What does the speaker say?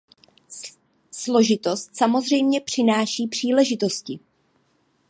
Složitost samozřejmě přináší příležitosti.